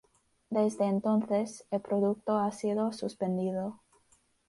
Desde entonces, el producto ha sido suspendido.